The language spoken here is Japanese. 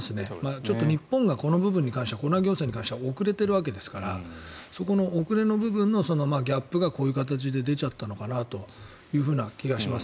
ちょっと日本がこの部分に関して遅れているわけですからそこの遅れの部分のギャップがこういう形で出ちゃったのかなという気がします。